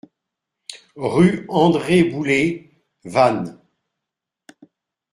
Rue André Bouler, Vannes